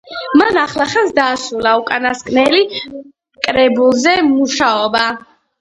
მან ახლახანს დაასრულა უკანასკნელ კრებულზე მუშაობა.